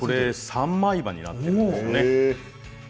三枚刃になっているんですよね。